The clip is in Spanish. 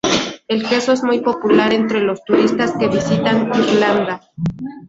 El queso es muy popular entre los turistas que visitan Irlanda.